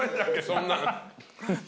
そんなん。